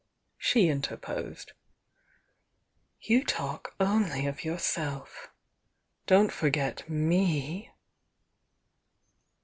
she interposed. "You talk only of yourself,— don't forget me!"